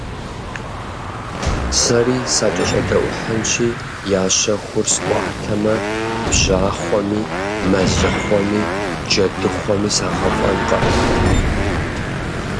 Сэри сакӀэщӀэдэӀухьынщи, я щэхур сӀуатэмэ, бжьахъуэми, мэлыхъуэми, джэдыхъуэми сагъэфӀэнкъэ!